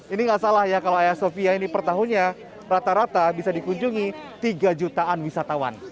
ini nggak salah ya kalau ayasofya ini pertahunnya rata rata bisa dikunjungi tiga jutaan wisatawan